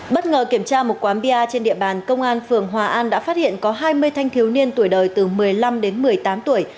bất ngờ kiểm tra một quán bia trên địa bàn công an phường hòa an đã phát hiện có hai mươi thanh thiếu niên tuổi đời từ một mươi năm đến một mươi tám tuổi